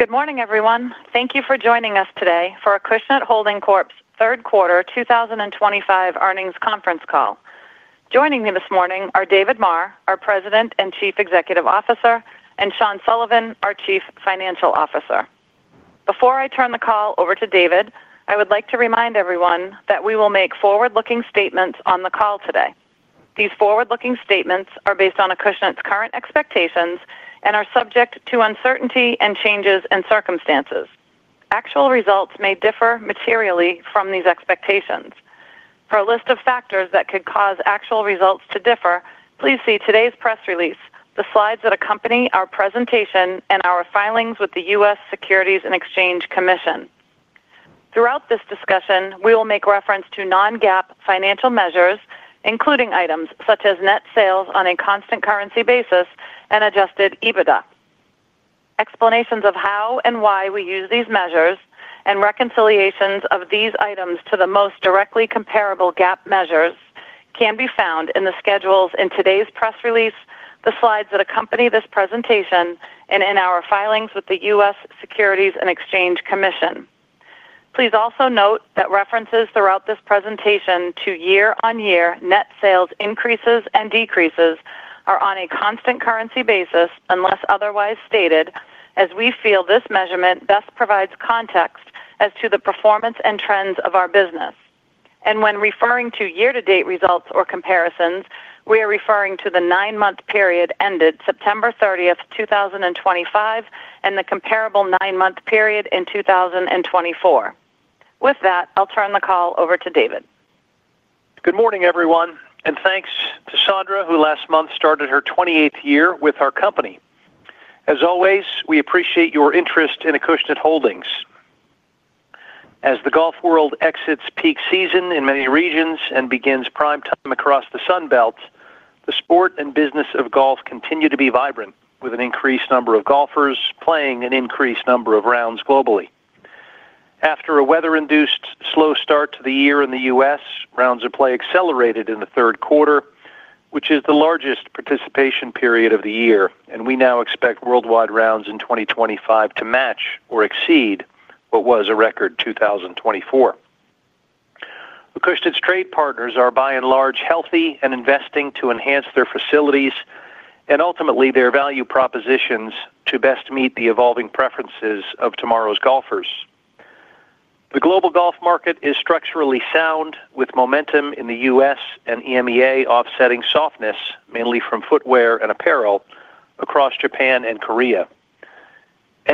Good morning, everyone. Thank you for joining us today for Acushnet Holding Corp's Third Quarter 2025 Earnings Conference Call. Joining me this morning are David Maher, our President and Chief Executive Officer, and Sean Sullivan, our Chief Financial Officer. Before I turn the call over to David, I would like to remind everyone that we will make forward-looking statements on the call today. These forward-looking statements are based on Acushnet's current expectations and are subject to uncertainty and changes in circumstances. Actual results may differ materially from these expectations. For a list of factors that could cause actual results to differ, please see today's press release, the slides that accompany our presentation, and our filings with the U.S. Securities and Exchange Commission. Throughout this discussion, we will make reference to non-GAAP financial measures, including items such as net sales on a constant currency basis and adjusted EBITDA. Explanations of how and why we use these measures and reconciliations of these items to the most directly comparable GAAP measures can be found in the schedules in today's press release, the slides that accompany this presentation, and in our filings with the U.S. Securities and Exchange Commission. Please also note that references throughout this presentation to year-on-year net sales increases and decreases are on a constant currency basis unless otherwise stated, as we feel this measurement best provides context as to the performance and trends of our business. When referring to year-to-date results or comparisons, we are referring to the 9-month period ended September 30th, 2025, and the comparable 9-month period in 2024. With that, I'll turn the call over to David. Good morning, everyone, and thanks to Sondra, who last month started her 28th year with our company. As always, we appreciate your interest in Acushnet Holdings. As the golf world exits peak season in many regions and begins prime time across the Sunbelt, the sport and business of golf continue to be vibrant, with an increased number of golfers playing an increased number of rounds globally. After a weather-induced slow start to the year in the U.S., rounds of play accelerated in the third quarter, which is the largest participation period of the year, and we now expect worldwide rounds in 2025 to match or exceed what was a record in 2024. Acushnet's trade partners are, by and large, healthy and investing to enhance their facilities and ultimately their value propositions to best meet the evolving preferences of tomorrow's golfers. The global golf market is structurally sound, with momentum in the U.S. and EMEA offsetting softness, mainly from footwear and apparel, across Japan and Korea.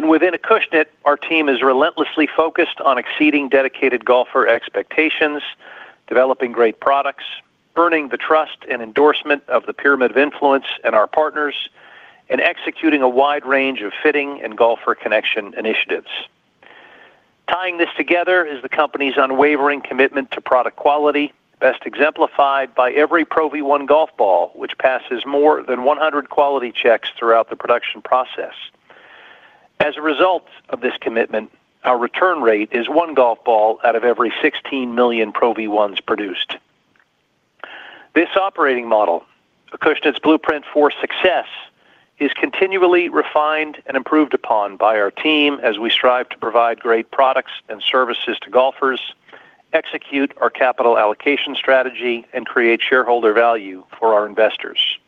Within Acushnet, our team is relentlessly focused on exceeding dedicated golfer expectations, developing great products, earning the trust and endorsement of the pyramid of influence and our partners, and executing a wide range of fitting and golfer connection initiatives. Tying this together is the company's unwavering commitment to product quality, best exemplified by every Pro V1 golf ball, which passes more than 100 quality checks throughout the production process. As a result of this commitment, our return rate is one golf ball out of every 16 million Pro V1s produced. This operating model, Acushnet's blueprint for success, is continually refined and improved upon by our team as we strive to provide great products and services to golfers, execute our capital allocation strategy, and create shareholder value for our investors.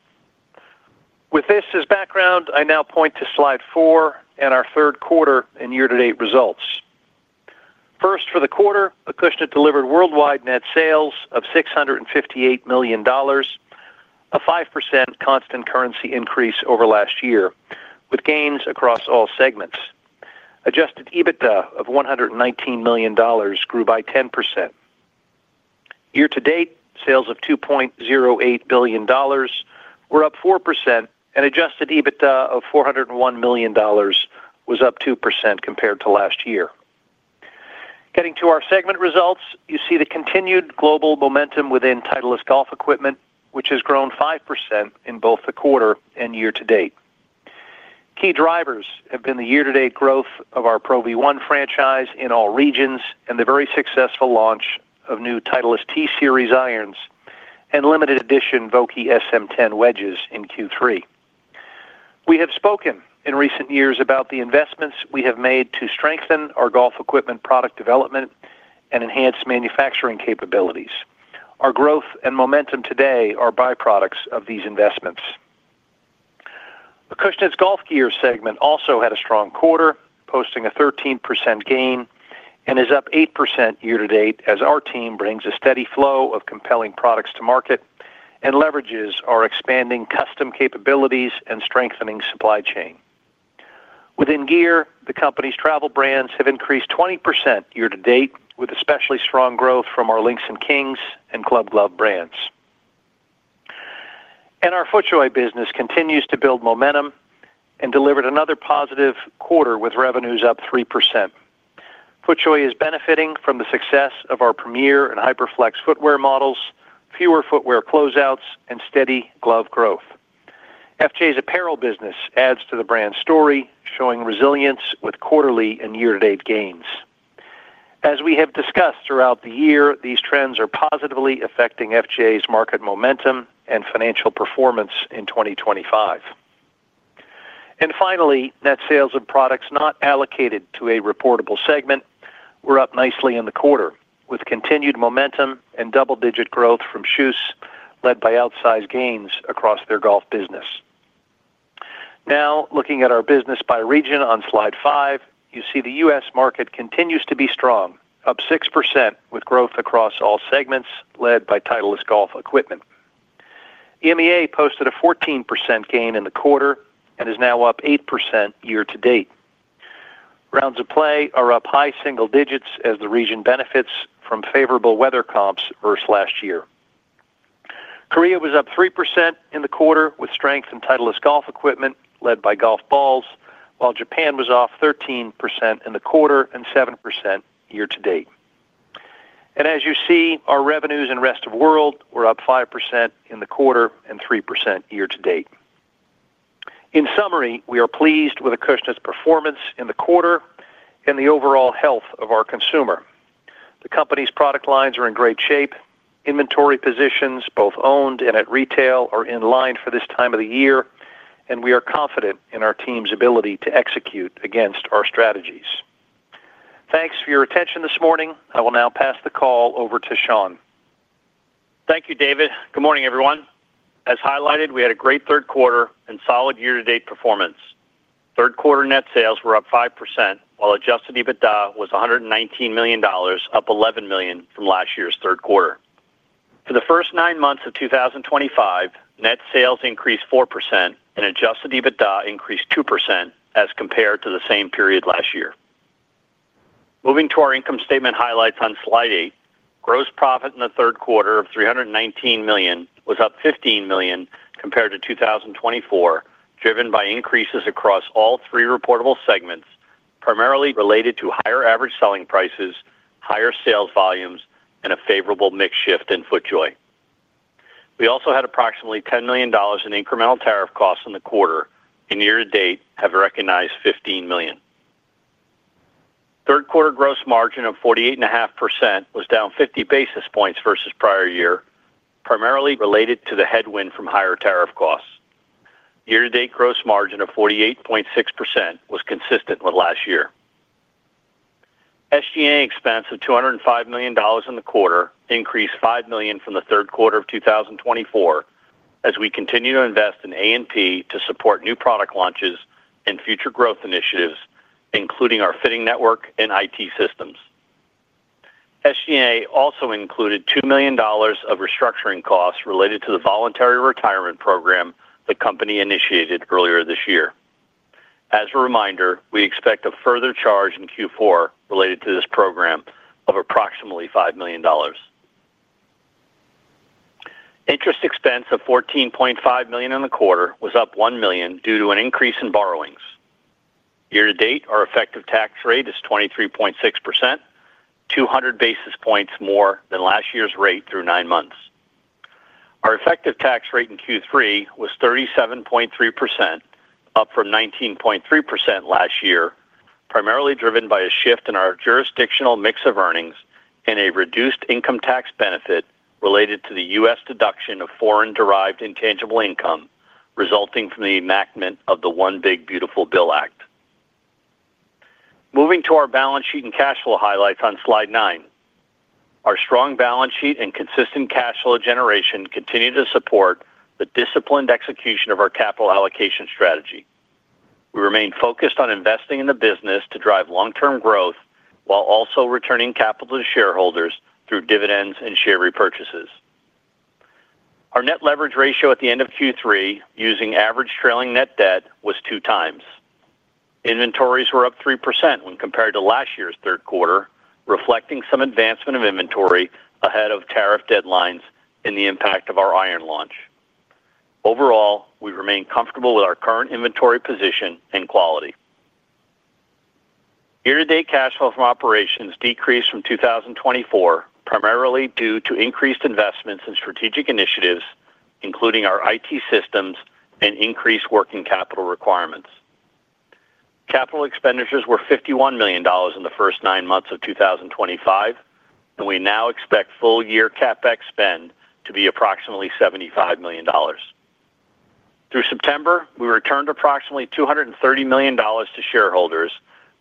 With this as background, I now point to slide four and our third quarter and year-to-date results. First, for the quarter, Acushnet delivered worldwide net sales of $658 million, a 5% constant currency increase over last year, with gains across all segments. Adjusted EBITDA of $119 million grew by 10%. Year-to-date, sales of $2.08 billion were up 4%, and adjusted EBITDA of $401 million was up 2% compared to last year. Getting to our segment results, you see the continued global momentum within Titleist Golf Equipment, which has grown 5% in both the quarter and year-to-date. Key drivers have been the year-to-date growth of our Pro V1 franchise in all regions and the very successful launch of new Titleist T-Series irons and limited edition Vokey SM10 wedges in Q3. We have spoken in recent years about the investments we have made to strengthen our golf equipment product development and enhance manufacturing capabilities. Our growth and momentum today are byproducts of these investments. Acushnet's golf gear segment also had a strong quarter, posting a 13% gain, and is up 8% year-to-date as our team brings a steady flow of compelling products to market and leverages our expanding custom capabilities and strengthening supply chain. Within gear, the company's travel brands have increased 20% year-to-date, with especially strong growth from our Links & Kings and Club Glove brands. Our FootJoy business continues to build momentum and delivered another positive quarter with revenues up 3%. FootJoy is benefiting from the success of our Premiere and HyperFlex footwear models, fewer footwear closeouts, and steady glove growth. FJ's apparel business adds to the brand story, showing resilience with quarterly and year-to-date gains. As we have discussed throughout the year, these trends are positively affecting FJ's market momentum and financial performance in 2025. Finally, net sales of products not allocated to a reportable segment were up nicely in the quarter, with continued momentum and double-digit growth from shoes led by outsized gains across their golf business. Now, looking at our business by region on slide five, you see the U.S. market continues to be strong, up 6% with growth across all segments led by Titleist Golf Equipment. EMEA posted a 14% gain in the quarter and is now up 8% year-to-date. Rounds of play are up high single digits as the region benefits from favorable weather comps versus last year. Korea was up 3% in the quarter with strength in Titleist Golf Equipment led by golf balls, while Japan was off 13% in the quarter and 7% year-to-date. As you see, our revenues in Rest of World were up 5% in the quarter and 3% year-to-date. In summary, we are pleased with Acushnet's performance in the quarter and the overall health of our consumer. The company's product lines are in great shape. Inventory positions, both owned and at retail, are in line for this time of the year, and we are confident in our team's ability to execute against our strategies. Thanks for your attention this morning. I will now pass the call over to Sean. Thank you, David. Good morning, everyone. As highlighted, we had a great third quarter and solid year-to-date performance. Third quarter net sales were up 5%, while adjusted EBITDA was $119 million, up $11 million from last year's third quarter. For the first 9 months of 2025, net sales increased 4% and adjusted EBITDA increased 2% as compared to the same period last year. Moving to our income statement highlights on slide eight, gross profit in the third quarter of $319 million was up $15 million compared to 2024, driven by increases across all three reportable segments, primarily related to higher average selling prices, higher sales volumes, and a favorable mix shift in FootJoy. We also had approximately $10 million in incremental tariff costs in the quarter, and year-to-date have recognized $15 million. Third quarter gross margin of 48.5% was down 50 basis points versus prior year, primarily related to the headwind from higher tariff costs. Year-to-date gross margin of 48.6% was consistent with last year. SG&A expense of $205 million in the quarter increased $5 million from the third quarter of 2024 as we continue to invest in A&P to support new product launches and future growth initiatives, including our fitting network and IT systems. SG&A also included $2 million of restructuring costs related to the voluntary retirement program the company initiated earlier this year. As a reminder, we expect a further charge in Q4 related to this program of approximately $5 million. Interest expense of $14.5 million in the quarter was up $1 million due to an increase in borrowings. Year-to-date, our effective tax rate is 23.6%, 200 basis points more than last year's rate through 9 months. Our effective tax rate in Q3 was 37.3%, up from 19.3% last year, primarily driven by a shift in our jurisdictional mix of earnings and a reduced income tax benefit related to the U.S. deduction of foreign-derived intangible income resulting from the enactment of the One Big Beautiful Bill Act. Moving to our balance sheet and cash flow highlights on slide nine. Our strong balance sheet and consistent cash flow generation continue to support the disciplined execution of our capital allocation strategy. We remain focused on investing in the business to drive long-term growth while also returning capital to shareholders through dividends and share repurchases. Our net leverage ratio at the end of Q3, using average trailing net debt, was 2x. Inventories were up 3% when compared to last year's third quarter, reflecting some advancement of inventory ahead of tariff deadlines and the impact of our iron launch. Overall, we remain comfortable with our current inventory position and quality. Year-to-date cash flow from operations decreased from 2024, primarily due to increased investments in strategic initiatives, including our IT systems and increased working capital requirements. Capital expenditures were $51 million in the first 9 months of 2025, and we now expect full-year CapEx spend to be approximately $75 million. Through September, we returned approximately $230 million to shareholders,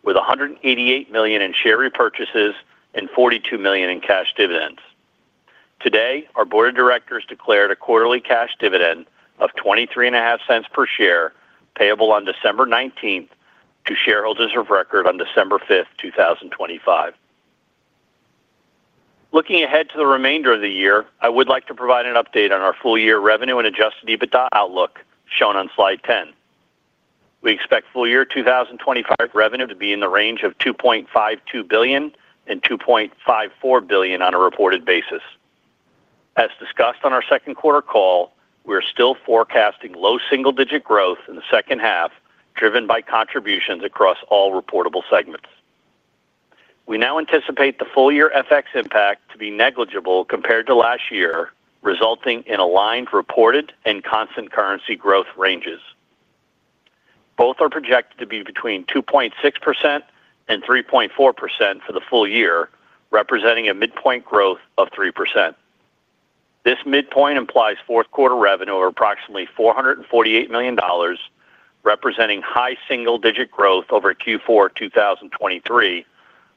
with $188 million in share repurchases and $42 million in cash dividends. Today, our board of directors declared a quarterly cash dividend of $0.235 per share, payable on December 19th to shareholders of record on December 5th, 2025. Looking ahead to the remainder of the year, I would like to provide an update on our full-year revenue and adjusted EBITDA outlook shown on slide 10. We expect full-year 2025 revenue to be in the range of $2.52 billion-$2.54 billion on a reported basis. As discussed on our second quarter call, we are still forecasting low single-digit growth in the second half, driven by contributions across all reportable segments. We now anticipate the full-year FX impact to be negligible compared to last year, resulting in aligned reported and constant currency growth ranges. Both are projected to be between 2.6% and 3.4% for the full year, representing a midpoint growth of 3%. This midpoint implies fourth quarter revenue of approximately $448 million, representing high single-digit growth over Q4 2023,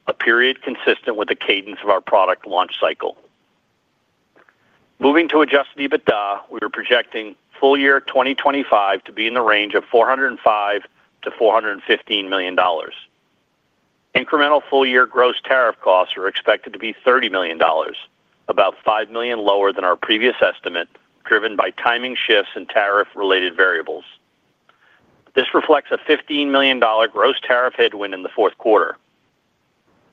a period consistent with the cadence of our product launch cycle. Moving to adjusted EBITDA, we are projecting full-year 2025 to be in the range of $405 million-$415 million. Incremental full-year gross tariff costs are expected to be $30 million, about $5 million lower than our previous estimate, driven by timing shifts and tariff-related variables. This reflects a $15 million gross tariff headwind in the fourth quarter.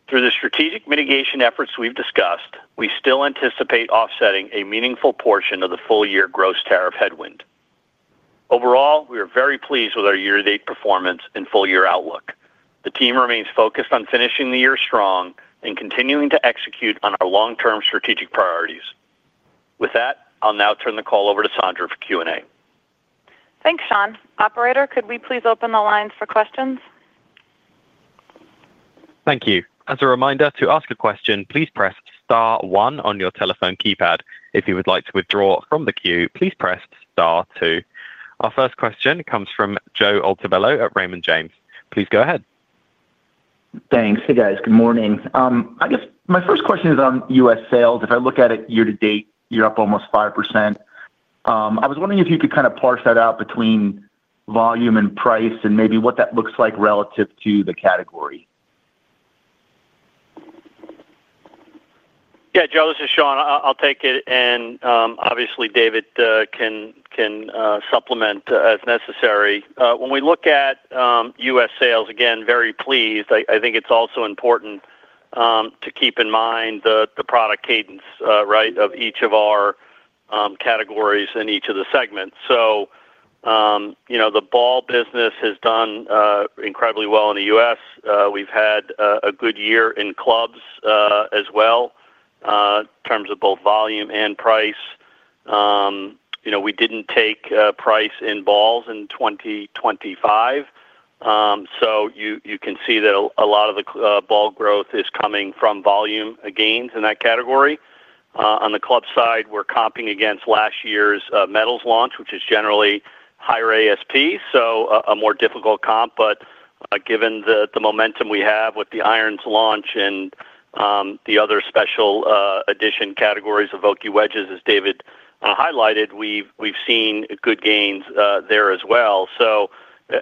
Through the strategic mitigation efforts we've discussed, we still anticipate offsetting a meaningful portion of the full-year gross tariff headwind. Overall, we are very pleased with our year-to-date performance and full-year outlook. The team remains focused on finishing the year strong and continuing to execute on our long-term strategic priorities. With that, I'll now turn the call over to Sondra for Q&A. Thanks, Sean. Operator, could we please open the lines for questions? Thank you. As a reminder, to ask a question, please press star one on your telephone keypad. If you would like to withdraw from the queue, please press star two. Our first question comes from Joe Altobello at Raymond James. Please go ahead. Thanks. Hey, guys. Good morning. I guess my first question is on U.S. sales. If I look at it year-to-date, you're up almost 5%. I was wondering if you could kind of parse that out between volume and price and maybe what that looks like relative to the category. Yeah, Joe, this is Sean. I'll take it. Obviously, David can supplement as necessary. When we look at U.S. sales, again, very pleased. I think it's also important to keep in mind the product cadence, right, of each of our categories and each of the segments. The ball business has done incredibly well in the U.S. We've had a good year in clubs as well, in terms of both volume and price. We didn't take price in balls in 2025, so you can see that a lot of the ball growth is coming from volume gains in that category. On the club side, we're comping against last year's metals launch, which is generally higher ASP, so a more difficult comp. Given the momentum we have with the irons launch and. The other special edition categories of Vokey wedges, as David highlighted, we've seen good gains there as well.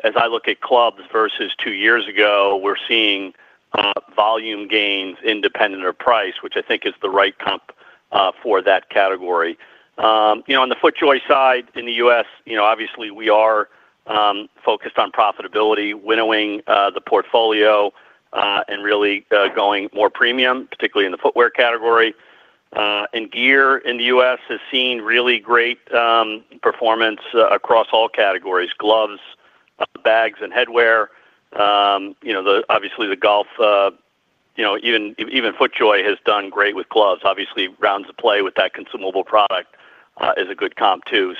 As I look at clubs versus 2 years ago, we're seeing volume gains independent of price, which I think is the right comp for that category. On the FootJoy side in the U.S., obviously, we are focused on profitability, winnowing the portfolio, and really going more premium, particularly in the footwear category. Gear in the U.S. has seen really great performance across all categories: gloves, bags, and headwear. Obviously, even FootJoy has done great with gloves. Rounds of play with that consumable product is a good comp too.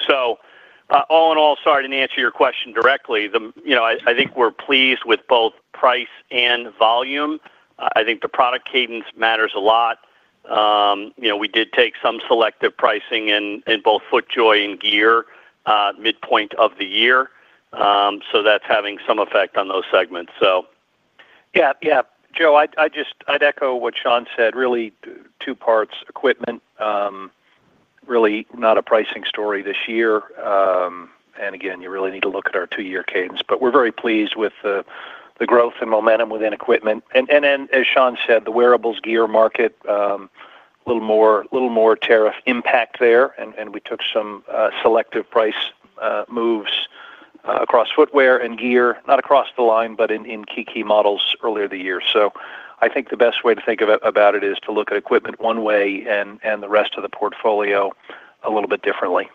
All in all, sorry to answer your question directly, I think we're pleased with both price and volume. I think the product cadence matters a lot. We did take some selective pricing in both FootJoy and gear midpoint of the year. That is having some effect on those segments. Yeah, Joe, I'd echo what Sean said. Really, two parts: equipment. Really not a pricing story this year. Again, you really need to look at our 2-year cadence. We are very pleased with the growth and momentum within equipment. Then, as Sean said, the wearables gear market. A little more tariff impact there. We took some selective price moves across footwear and gear, not across the line, but in key models earlier in the year. I think the best way to think about it is to look at equipment one way and the rest of the portfolio a little bit differently.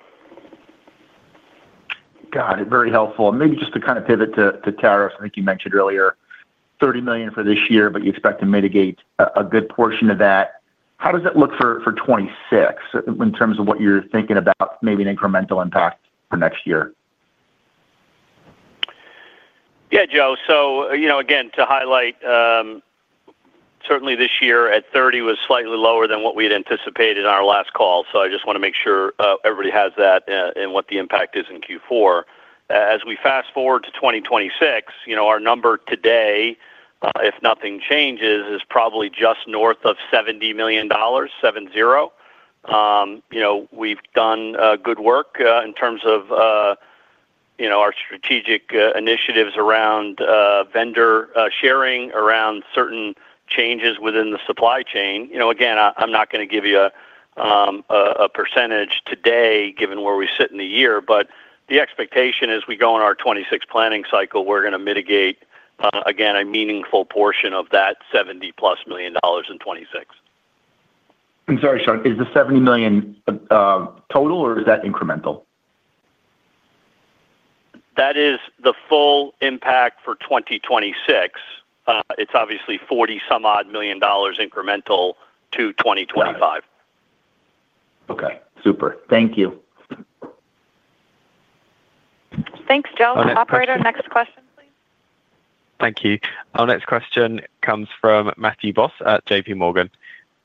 Got it. Very helpful. Maybe just to kind of pivot to tariffs, I think you mentioned earlier $30 million for this year, but you expect to mitigate a good portion of that. How does it look for 2026 in terms of what you're thinking about maybe an incremental impact for next year? Yeah, Joe. Again, to highlight, certainly this year at 30 was slightly lower than what we had anticipated on our last call. I just want to make sure everybody has that and what the impact is in Q4. As we fast forward to 2026, our number today, if nothing changes, is probably just north of $70 million, 7-0. We've done good work in terms of our strategic initiatives around vendor sharing, around certain changes within the supply chain. Again, I'm not going to give you a percentage today given where we sit in the year, but the expectation is as we go in our 2026 planning cycle, we're going to mitigate, again, a meaningful portion of that $70+ million in 2026. I'm sorry, Sean. Is the $70 million total or is that incremental? That is the full impact for 2026. It's obviously $40-some-odd million incremental to 2025. Okay. Super. Thank you. Thanks, Joe. Operator, next question, please. Thank you. Our next question comes from Matthew Boss at JPMorgan.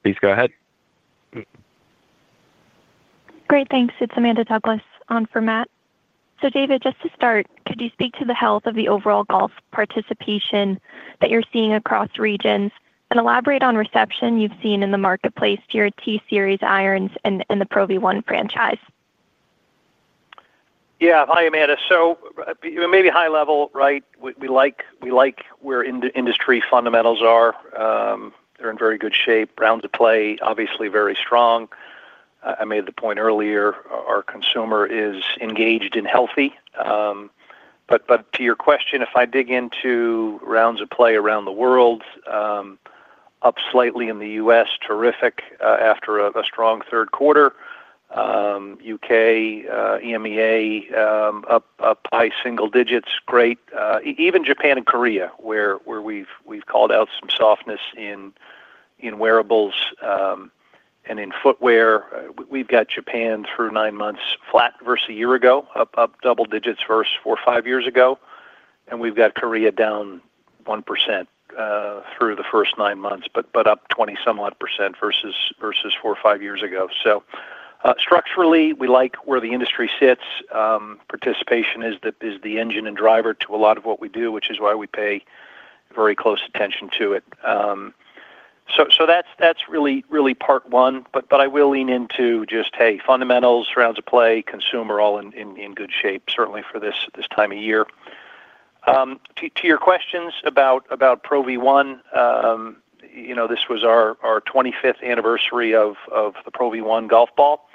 Please go ahead. Great. Thanks. It's Amanda Douglas on for Matt. David, just to start, could you speak to the health of the overall golf participation that you're seeing across regions and elaborate on reception you've seen in the marketplace to your T-Series irons and the Pro V1 franchise? Yeah. Hi, Amanda. Maybe high level, right, we like where industry fundamentals are. They're in very good shape. Rounds of play, obviously very strong. I made the point earlier, our consumer is engaged and healthy. To your question, if I dig into rounds of play around the world. Up slightly in the U.S., terrific after a strong third quarter. U.K., EMEA. Up by single digits, great. Even Japan and Korea, where we've called out some softness in. Wearables. And in footwear. We've got Japan through 9 months flat versus a year ago, up double digits versus 4 or 5 years ago. We've got Korea down 1% through the first 9 months, but up 20-some-odd percent versus 4 or 5 years ago. Structurally, we like where the industry sits. Participation is the engine and driver to a lot of what we do, which is why we pay very close attention to it. That is really part one. I will lean into just, hey, fundamentals, rounds of play, consumer all in good shape, certainly for this time of year. To your questions about Pro V1. This was our 25th anniversary of the Pro V1 golf ball.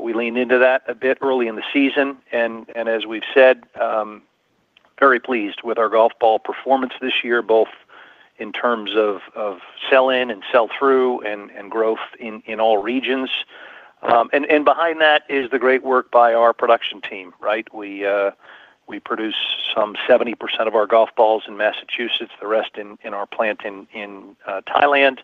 We leaned into that a bit early in the season. As we have said, very pleased with our golf ball performance this year, both in terms of sell-in and sell-through and growth in all regions. Behind that is the great work by our production team, right? We produce some 70% of our golf balls in Massachusetts, the rest in our plant in Thailand.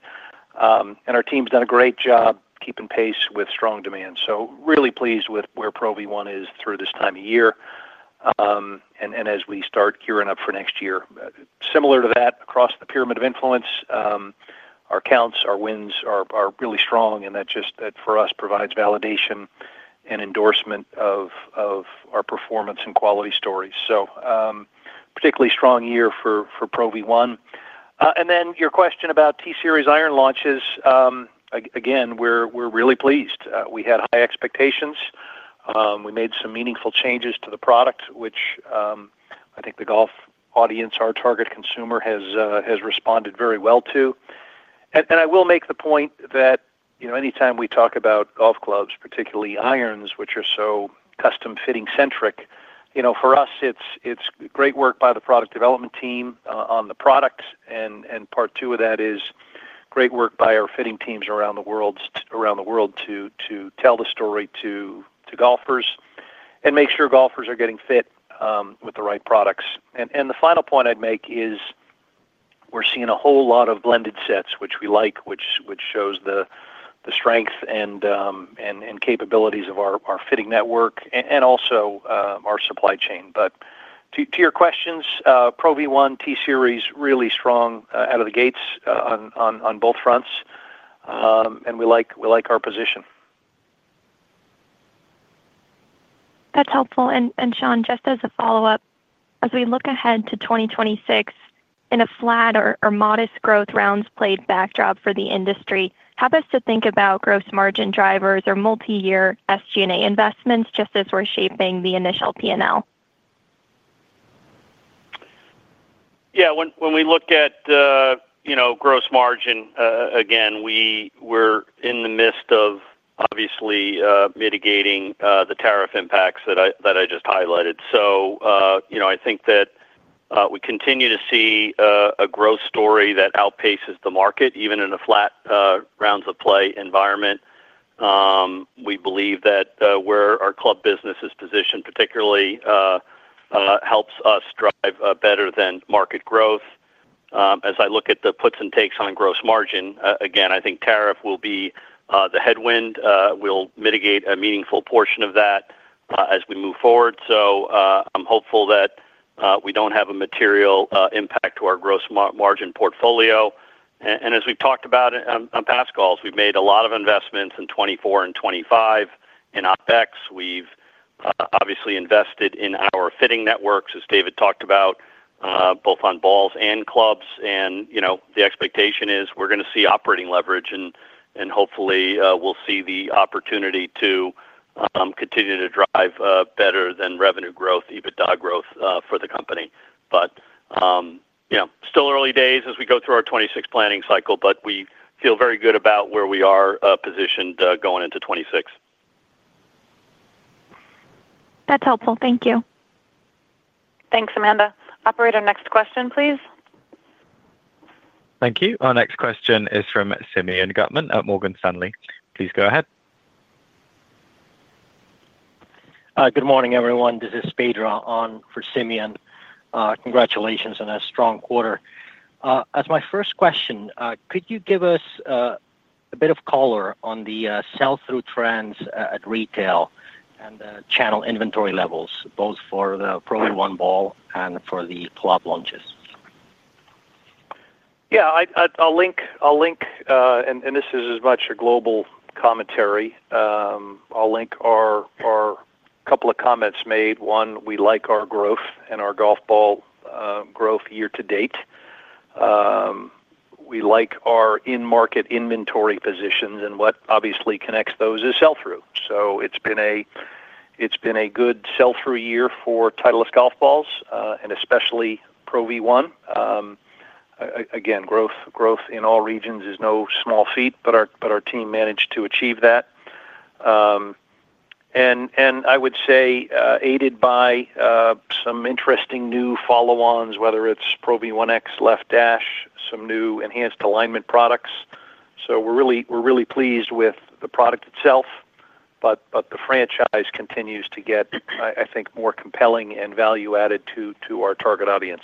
Our team's done a great job keeping pace with strong demand. Really pleased with where Pro V1 is through this time of year. As we start gearing up for next year, similar to that, across the pyramid of influence, our counts, our wins are really strong, and that just, for us, provides validation and endorsement of our performance and quality stories. Particularly strong year for Pro V1. Your question about T-Series iron launches, again, we're really pleased. We had high expectations. We made some meaningful changes to the product, which I think the golf audience, our target consumer, has responded very well to. I will make the point that anytime we talk about golf clubs, particularly irons, which are so custom fitting-centric, for us, it's great work by the product development team on the products. Part two of that is great work by our fitting teams around the world. To tell the story to golfers and make sure golfers are getting fit with the right products. The final point I'd make is we're seeing a whole lot of blended sets, which we like, which shows the strength and capabilities of our fitting network and also our supply chain. To your questions, Pro V1, T-Series, really strong out of the gates on both fronts. We like our position. That's helpful. Sean, just as a follow-up, as we look ahead to 2026 in a flat or modest growth rounds played backdrop for the industry, how best to think about gross margin drivers or multi-year SG&A investments just as we're shaping the initial P&L? Yeah. When we look at gross margin, again, we're in the midst of obviously mitigating the tariff impacts that I just highlighted. I think that we continue to see a growth story that outpaces the market, even in a flat rounds of play environment. We believe that where our club business is positioned particularly helps us drive better than market growth. As I look at the puts and takes on gross margin, again, I think tariff will be the headwind. We'll mitigate a meaningful portion of that as we move forward. I'm hopeful that we don't have a material impact to our gross margin portfolio. As we've talked about on past calls, we've made a lot of investments in 2024 and 2025 in OpEx. We've obviously invested in our fitting networks, as David talked about, both on balls and clubs. The expectation is we're going to see operating leverage, and hopefully we'll see the opportunity to continue to drive better than revenue growth, even dog growth for the company. Still early days as we go through our 2026 planning cycle, but we feel very good about where we are positioned going into 2026. That's helpful. Thank you. Thanks, Amanda. Operator, next question, please. Thank you. Our next question is from Simeon Gutman at Morgan Stanley. Please go ahead. Good morning, everyone. This is Pedro on for Simeon. Congratulations on a strong quarter. As my first question, could you give us a bit of color on the sell-through trends at retail and channel inventory levels, both for the Pro V1 ball and for the club launches? Yeah. I'll link, and this is as much a global commentary. I'll link our couple of comments made. One, we like our growth and our golf ball growth year-to-date. We like our in-market inventory positions, and what obviously connects those is sell-through. It's been a good sell-through year for Titleist golf balls, and especially Pro V1. Again, growth in all regions is no small feat, but our team managed to achieve that. I would say aided by some interesting new follow-ons, whether it's Pro V1X Left Dash, some new enhanced alignment products. We're really pleased with the product itself, but the franchise continues to get, I think, more compelling and value-added to our target audience.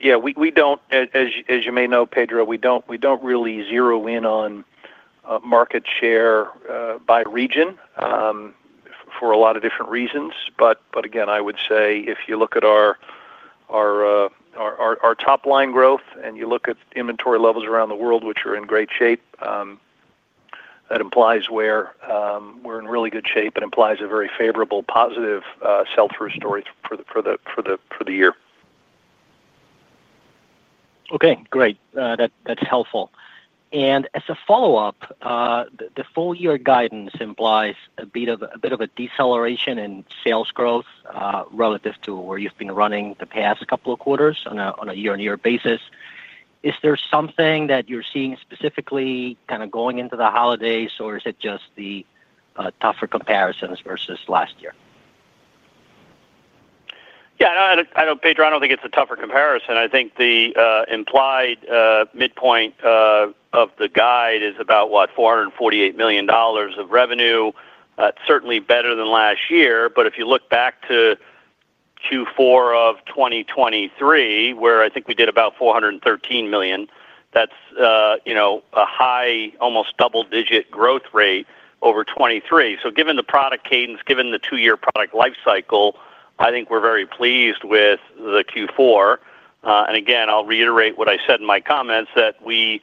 Yeah, as you may know, Pedro, we don't really zero in on market share by region for a lot of different reasons. I would say if you look at our top-line growth and you look at inventory levels around the world, which are in great shape, that implies we're in really good shape. It implies a very favorable, positive sell-through story for the year. Okay. Great. That's helpful. As a follow-up, the full-year guidance implies a bit of a deceleration in sales growth relative to where you've been running the past couple of quarters on a year-on-year basis. Is there something that you're seeing specifically kind of going into the holidays, or is it just the tougher comparisons versus last year? Yeah. I do not think it is a tougher comparison. I think the implied midpoint of the guide is about, what, $448 million of revenue. Certainly better than last year. If you look back to Q4 of 2023, where I think we did about $413 million, that is a high, almost double-digit growth rate over 2023. Given the product cadence, given the 2-year product lifecycle, I think we are very pleased with the Q4. I will reiterate what I said in my comments, that we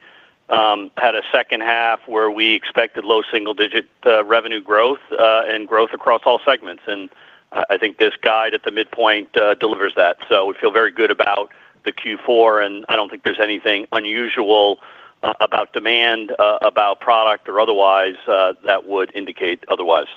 had a second half where we expected low single-digit revenue growth and growth across all segments. I think this guide at the midpoint delivers that. We feel very good about the Q4, and I do not think there is anything unusual about demand, about product, or otherwise that would indicate otherwise.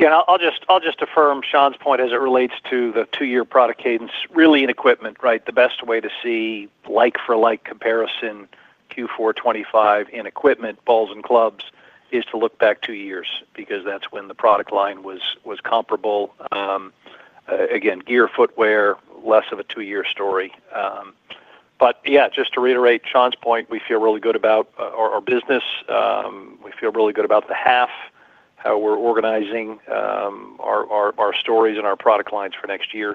Yeah. I will just affirm Sean's point as it relates to the 2-year product cadence. Really in equipment, right? The best way to see like-for-like comparison Q4 2025 in equipment, balls, and clubs is to look back 2 years because that's when the product line was comparable. Again, gear, footwear, less of a 2-year story. Yeah, just to reiterate Sean's point, we feel really good about our business. We feel really good about the half, how we're organizing. Our stories and our product lines for next year.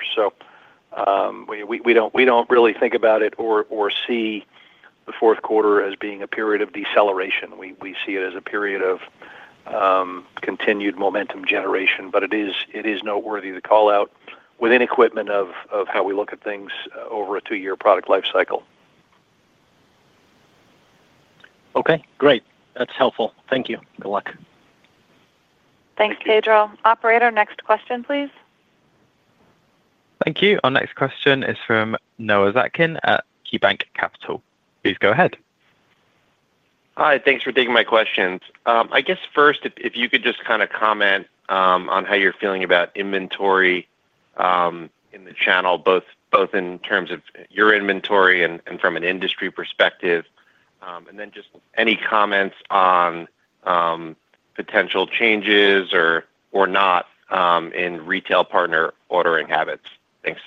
We don't really think about it or see the fourth quarter as being a period of deceleration. We see it as a period of continued momentum generation, but it is noteworthy to call out within equipment of how we look at things over a 2-year product lifecycle. Okay. Great. That's helpful. Thank you. Good luck. Thanks, Pedro. Operator, next question, please. Thank you. Our next question is from Noah Zatzkin at KeyBanc Capital. Please go ahead. Hi. Thanks for taking my questions. I guess first, if you could just kind of comment on how you're feeling about inventory in the channel, both in terms of your inventory and from an industry perspective, and then just any comments on potential changes or not in retail partner ordering habits. Thanks.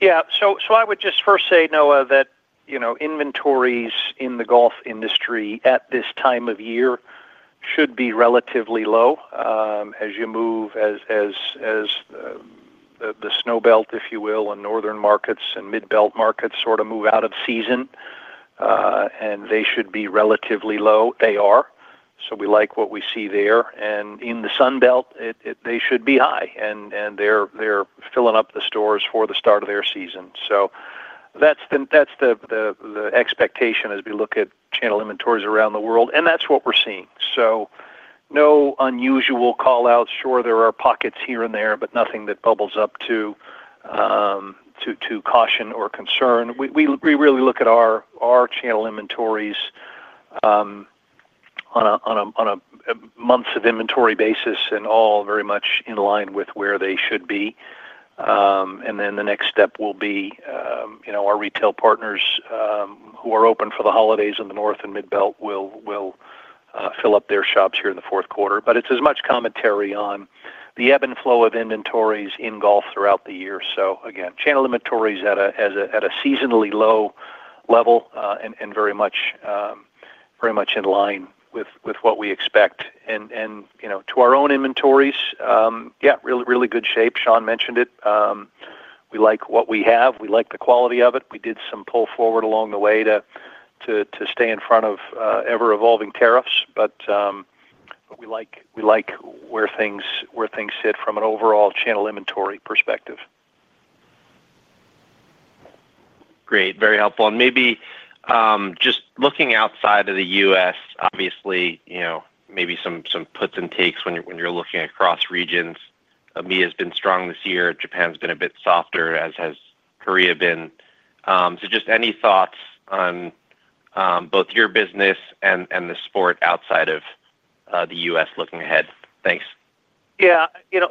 Yeah. I would just first say, Noah, that inventories in the golf industry at this time of year should be relatively low as you move as the snowbelt, if you will, and northern markets and mid-belt markets sort of move out of season. They should be relatively low. They are. We like what we see there. In the sunbelt, they should be high. They're filling up the stores for the start of their season. That's the expectation as we look at channel inventories around the world. That's what we're seeing. No unusual callouts. Sure, there are pockets here and there, but nothing that bubbles up to caution or concern. We really look at our channel inventories on a months of inventory basis and all very much in line with where they should be. The next step will be our retail partners who are open for the holidays in the north and mid-belt will fill up their shops here in the fourth quarter. It is as much commentary on the ebb and flow of inventories in golf throughout the year. Again, channel inventories at a seasonally low level and very much in line with what we expect. To our own inventories, yeah, really good shape. Sean mentioned it. We like what we have. We like the quality of it. We did some pull forward along the way to stay in front of ever-evolving tariffs. We like where things sit from an overall channel inventory perspective. Great. Very helpful. Maybe just looking outside of the U.S., obviously, maybe some puts and takes when you're looking across regions. EMEA has been strong this year. Japan's been a bit softer, as has Korea been. Just any thoughts on both your business and the sport outside of the U.S. looking ahead? Thanks. Yeah.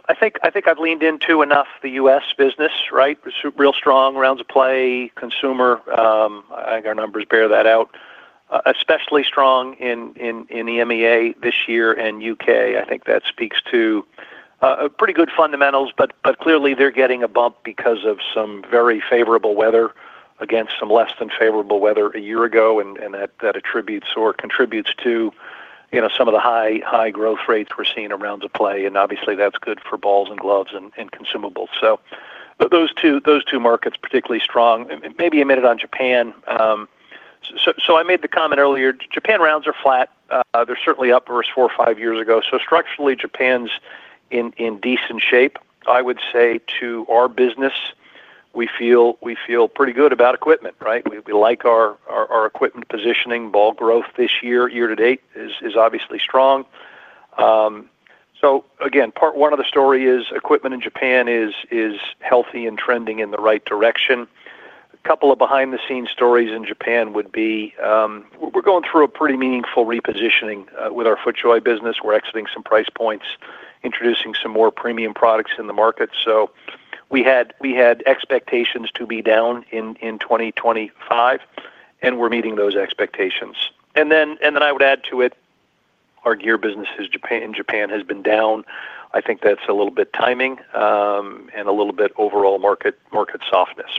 I think I've leaned into enough the U.S. business, right? Real strong rounds of play, consumer. I think our numbers bear that out. Especially strong in the EMEA this year and U.K. I think that speaks to pretty good fundamentals, but clearly they're getting a bump because of some very favorable weather against some less than favorable weather a year ago. That attributes or contributes to some of the high growth rates we're seeing around the play. Obviously, that's good for balls and gloves and consumables. Those two markets particularly strong. Maybe a minute on Japan. I made the comment earlier. Japan rounds are flat. They're certainly up versus 4 or 5 years ago. Structurally, Japan's in decent shape. I would say to our business, we feel pretty good about equipment, right? We like our equipment positioning. Ball growth this year, year-to-date, is obviously strong. Part one of the story is equipment in Japan is healthy and trending in the right direction. A couple of behind-the-scenes stories in Japan would be, we're going through a pretty meaningful repositioning with our FootJoy business. We're exiting some price points, introducing some more premium products in the market. We had expectations to be down in 2025, and we're meeting those expectations. I would add to it, our gear business in Japan has been down. I think that's a little bit timing and a little bit overall market softness.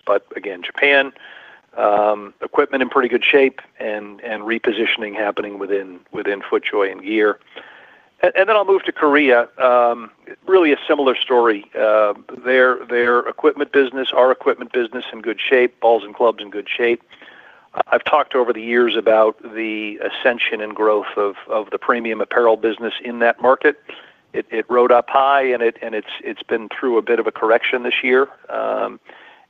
Japan equipment in pretty good shape and repositioning happening within FootJoy and gear. I'll move to Korea. Really a similar story. Their equipment business, our equipment business, in good shape. Balls and clubs in good shape. I've talked over the years about the ascension and growth of the premium apparel business in that market. It rode up high, and it's been through a bit of a correction this year.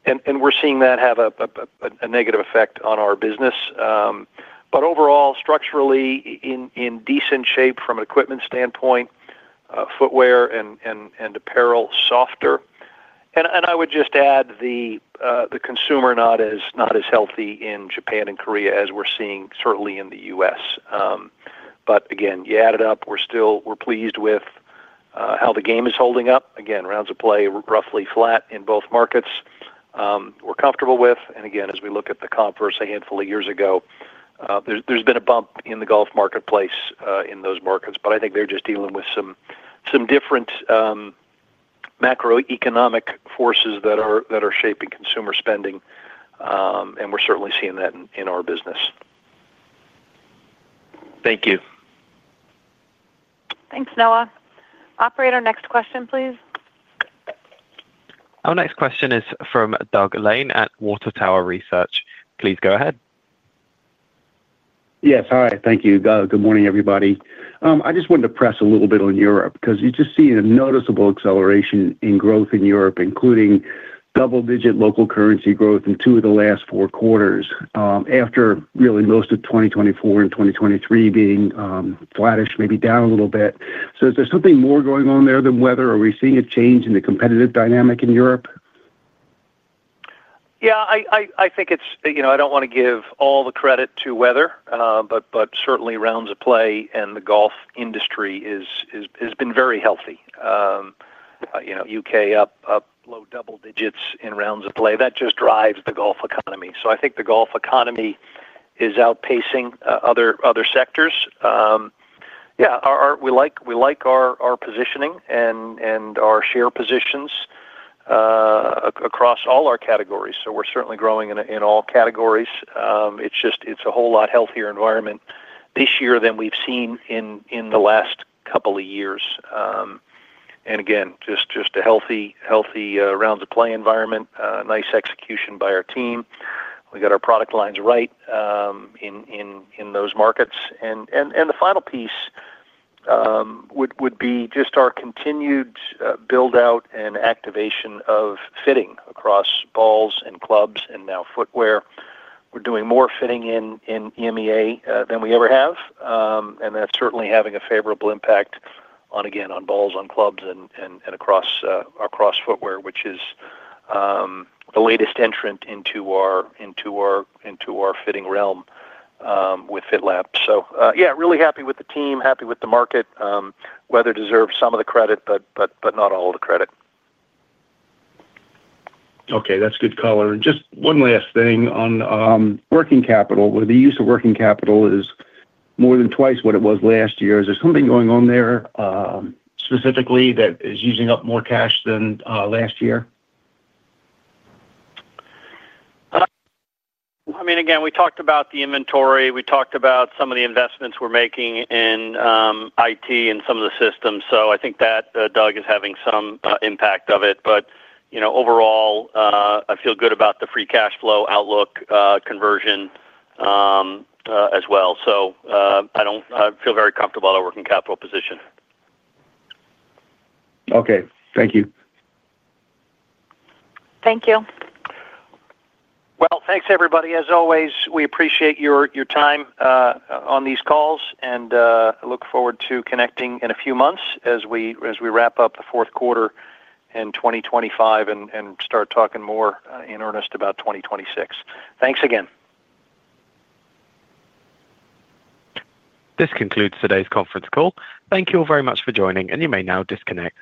We're seeing that have a negative effect on our business. Overall, structurally, in decent shape from an equipment standpoint. Footwear and apparel softer. I would just add the consumer not as healthy in Japan and Korea as we're seeing certainly in the U.S. Again, you add it up, we're pleased with how the game is holding up. Rounds of play roughly flat in both markets, we're comfortable with. Again, as we look at the comp versus a handful of years ago, there's been a bump in the golf marketplace in those markets. I think they're just dealing with some different macroeconomic forces that are shaping consumer spending. We're certainly seeing that in our business. Thank you. Thanks, Noah. Operator, next question, please. Our next question is from Doug Lane at Water Tower Research. Please go ahead. Yes. Hi. Thank you, Doug. Good morning, everybody. I just wanted to press a little bit on Europe because you just see a noticeable acceleration in growth in Europe, including double-digit local currency growth in two of the last four quarters, after really most of 2024 and 2023 being flattish, maybe down a little bit. Is there something more going on there than weather? Are we seeing a change in the competitive dynamic in Europe? Yeah. I think it's I don't want to give all the credit to weather, but certainly rounds of play and the golf industry has been very healthy. U.K. up low double digits in rounds of play. That just drives the golf economy. I think the golf economy is outpacing other sectors. Yeah. We like our positioning and our share positions. Across all our categories. We're certainly growing in all categories. It's a whole lot healthier environment this year than we've seen in the last couple of years. Again, just a healthy rounds of play environment, nice execution by our team. We got our product lines right in those markets. The final piece would be just our continued build-out and activation of fitting across balls and clubs and now footwear. We're doing more fitting in EMEA than we ever have. That's certainly having a favorable impact on, again, on balls, on clubs, and across footwear, which is the latest entrant into our fitting realm with FitLab. Yeah, really happy with the team, happy with the market. Weather deserves some of the credit, but not all of the credit. Okay. That's good color. Just one last thing on working capital. The use of working capital is more than twice what it was last year. Is there something going on there? Specifically, that is using up more cash than last year? I mean, again, we talked about the inventory. We talked about some of the investments we're making in IT and some of the systems. I think that Doug is having some impact of it. Overall, I feel good about the free cash flow outlook conversion as well. I feel very comfortable at our working capital position. Okay. Thank you. Thank you. Thanks, everybody. As always, we appreciate your time on these calls. I look forward to connecting in a few months as we wrap up the fourth quarter in 2025 and start talking more in earnest about 2026. Thanks again. This concludes today's conference call. Thank you all very much for joining, and you may now disconnect.